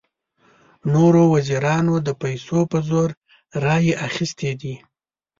نورو وزیرانو د پیسو په زور رایې اخیستې دي.